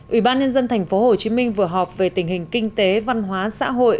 ủy ban nhân dân thành phố hồ chí minh vừa họp về tình hình kinh tế văn hóa xã hội